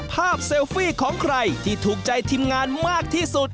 เซลฟี่ของใครที่ถูกใจทีมงานมากที่สุด